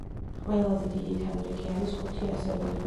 ყველაზე დიდი თანრიგი არის ხუთი ასეული.